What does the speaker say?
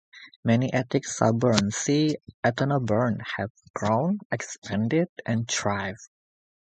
Many ethnic suburbs, see ethnoburb, have grown, expanded, and thrived.